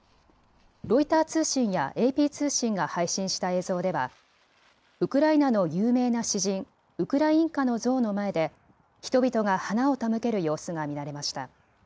ロイター通信やＡＰ通信が配信した映像ではウクライナの有名な詩人、ウクラインカの像の前で人々が花を手向ける様子が見られました。